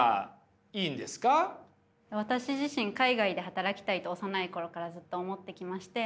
私自身海外で働きたいと幼い頃からずっと思ってきまして。